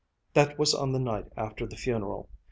That was on the night after the funeral.